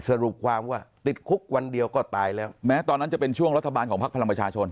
สรุปความว่าติดคุกวันเดียวก็ตายแล้วแม้ตอนนั้นจะเป็นช่วงรัฐบาลของพักพลังประชาชน